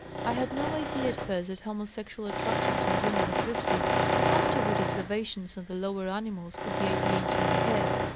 "I had no idea at first that homosexual attractions in women existed; afterward observations on the lower animals put the idea into my head.